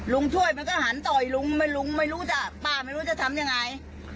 ช่วยมันก็หันต่อยลุงลุงไม่รู้จะป้าไม่รู้จะทำยังไง